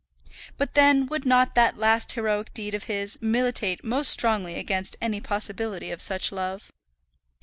But then would not that last heroic deed of his militate most strongly against any possibility of such love!